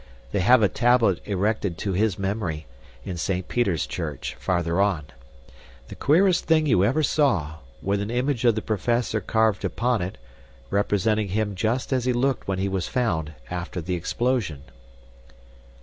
They have a tablet erected to his memory, in Saint Peter's Church, farther on the queerest thing you ever saw, with an image of the professor carved upon it, representing him just as he looked when he was found after the explosion."